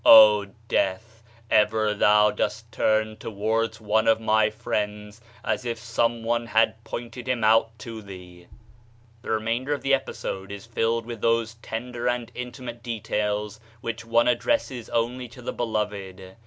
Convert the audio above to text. O Death, ever thou dost turn towards one of my friends as if some one had pointed him out to thee !" 40 THE SHINING PATHWAY The remainder of the epistle is filled with those tender and intimate details which one addresses only to the beloved.